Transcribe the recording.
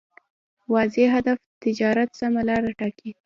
واضح هدف تجارت سمه لاره ټاکي.